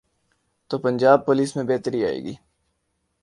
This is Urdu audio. تو پنجاب پولیس میں بہتری آئے گی۔